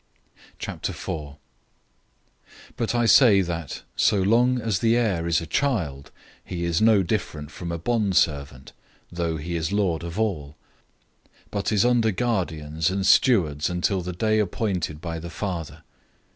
004:001 But I say that so long as the heir is a child, he is no different from a bondservant, though he is lord of all; 004:002 but is under guardians and stewards until the day appointed by the father.